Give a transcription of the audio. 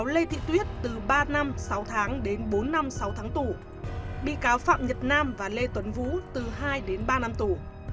lê thị tuyết từ ba năm sáu tháng đến bốn năm sáu tháng tù bị cáo phạm nhật nam và lê tuấn vũ từ hai đến ba năm tù